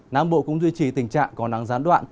nam bộ cũng duy trì tình trạng có nắng gián đoạn